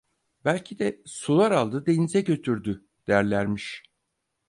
Belki de sular aldı denize götürdü! derlermiş.